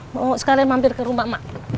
mau sekalian mampir ke rumah mak